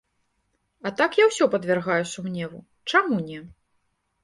А так я ўсё падвяргаю сумневу, чаму не?